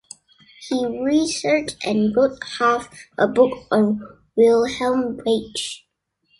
He researched and wrote half a book on Wilhelm Reich.